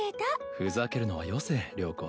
ふざけるのはよせ了子